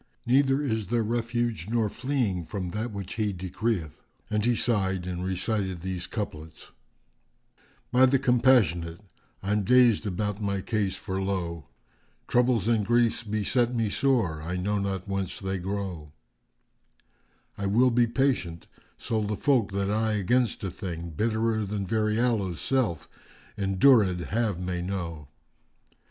Neither is there refuge nor fleeing from that which He decreeth!" And he sighed and recited these couplets, "By the Compassionate, I'm dazed about my case for lo! * Troubles and griefs beset me sore; I know not whence they grow. I will be patient, so the folk, that I against a thing * Bitt'rer than very aloes' self,[FN#400] endurèd have, may know.